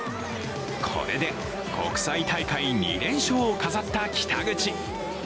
これで、国際大会２連勝を飾った北口。